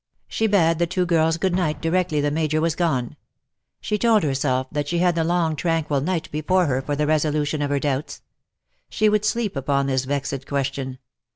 She bade the two girls good night directly the Major was gone. She told herself that she had the long tranquil night before her for the resolution of her doubts. She would sleep upon this vexed question.